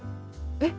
えっ？